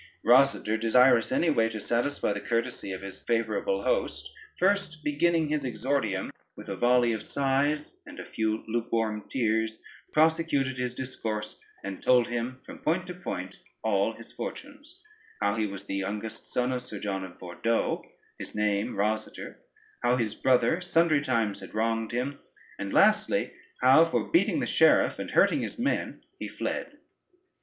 Rosader, desirous any way to satisfy the courtesy of his favorable host, first beginning his exordium with a volley of sighs, and a few lukewarm tears, prosecuted his discourse, and told him from point to point all his fortunes: how he was the youngest son of Sir John of Bordeaux, his name Rosader, how his brother sundry times had wronged him, and lastly how, for beating the sheriff and hurting his men, he fled.